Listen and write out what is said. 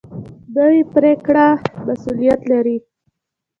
نوې پرېکړه مسؤلیت لري